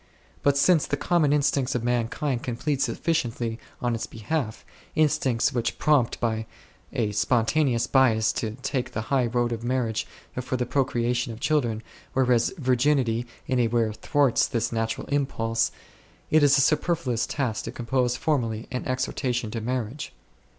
But since the common instincts of mankind can plead sufficiently on its behalf, instincts which prompt by a spontaneous bias to take the high road of marriage for the pro creation of children, whereas Virginity in a way thwarts this natural impulse, it is a superfluous task to compose formally an Exhortation to marriage.